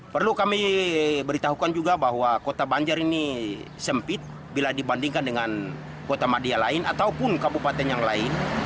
perlu kami beritahukan juga bahwa kota banjar ini sempit bila dibandingkan dengan kota madia lain ataupun kabupaten yang lain